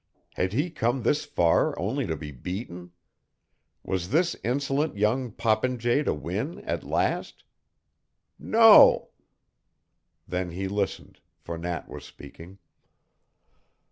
Had he come this far only to be beaten? Was this insolent young popinjay to win at last? No! Then he listened, for Nat was speaking.